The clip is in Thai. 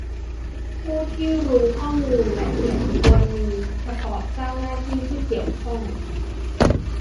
ผู้ที่รู้ข้อมูลละเอียดควรมีเฉพาะเจ้าหน้าที่ที่เกี่ยวข้อง